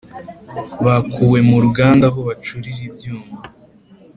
bakuwe mu ruganda aho bacurira ibyuma